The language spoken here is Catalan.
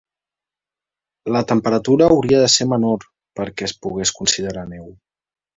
La temperatura hauria de ser menor perquè es pogués considerar neu.